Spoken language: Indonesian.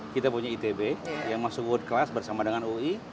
kita punya itb yang masuk world class bersama dengan ui